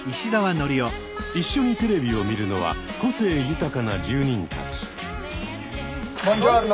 一緒にテレビを見るのは個性豊かな住人たち。